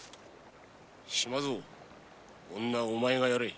島造女はお前がやれ！